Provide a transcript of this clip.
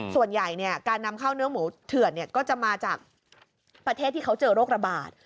ส่วนใหญ่การนำเข้าเนื้อหมูเถื่อนก็จะมาจากประเทศที่เขาเจอโรคระบาด